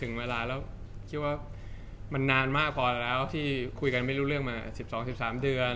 ถึงเวลาแล้วคิดว่ามันนานมากพอแล้วที่คุยกันไม่รู้เรื่องมา๑๒๑๓เดือน